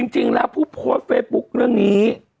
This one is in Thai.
จริงแล้วผู้โพสต์เฟซบุ๊คเรื่องนี้